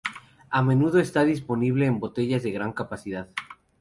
A menudo está disponible en botellas de gran capacidad.